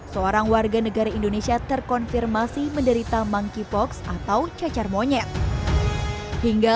seorang warga negara indonesia terkonfirmasi menderita monkeypox atau cacar monyet hingga